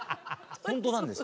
本当なんです。